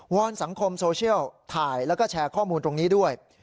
อนสังคมโซเชียลถ่ายแล้วก็แชร์ข้อมูลตรงนี้ด้วย